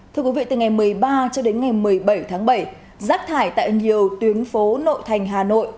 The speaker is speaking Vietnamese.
thưa quý vị từ ngày một mươi ba cho đến ngày một mươi bảy tháng bảy rác thải tại nhiều tuyến phố nội thành hà nội